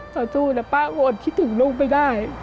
ต่อสู้นะป้าอดคิดถึงลูกไม่ได้